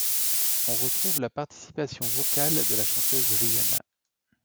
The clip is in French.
On retrouve la participation vocale de la chanteuse Rihanna.